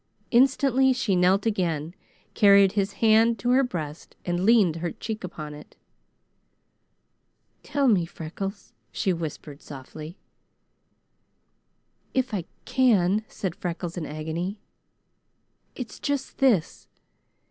Instantly she knelt again, carried his hand to her breast, and leaned her cheek upon it. "Tell me, Freckles," she whispered softly. "If I can," said Freckles in agony. "It's just this.